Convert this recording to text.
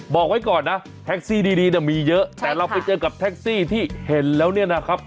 บอกไว้ก่อนนะแท็กซี่ดีมีเยอะแต่เราไปเจอกับแท็กซี่ที่เห็นแล้วเนี่ยนะครับ